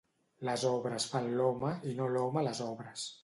Les obres fan l'home i no l'home les obres.